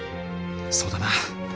そうだな。